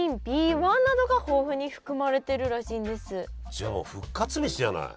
じゃあ復活飯じゃない。